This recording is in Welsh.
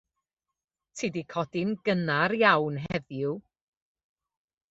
Ti 'di codi'n gynnar iawn heddiw.